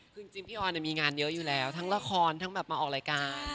คือจริงพี่ออนมีงานเยอะอยู่แล้วทั้งละครทั้งแบบมาออกรายการ